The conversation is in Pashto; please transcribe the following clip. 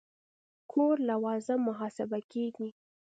کور لوازم محاسبه کېږي.